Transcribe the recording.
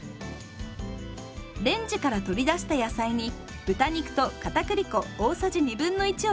レンジから取り出した野菜に豚肉とかたくり粉大さじ1/2を加えて混ぜます。